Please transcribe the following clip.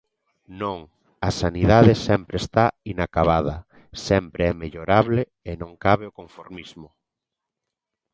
Non, a sanidade sempre está inacabada, sempre é mellorable e non cabe o conformismo.